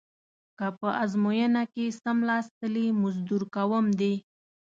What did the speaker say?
که په ازموینه کې څملاستلې مزدور کوم دې.